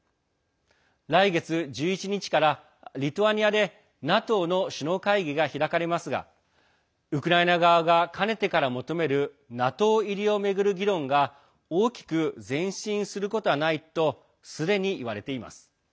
来月１１日から、リトアニアでＮＡＴＯの首脳会議が開かれますがウクライナ側がかねてから求めるＮＡＴＯ入りを巡る議論が大きく前進することはないとすでに言われています。